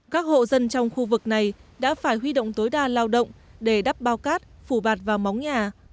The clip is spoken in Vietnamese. các hộ dân trong khu vực này đã phải huy động tối đa lao động để đắp bao cát phủ bạt vào móng nhà